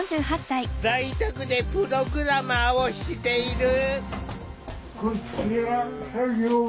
在宅でプログラマーをしている。